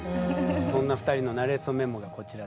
そんな２人の「なれそメモ」がこちらです。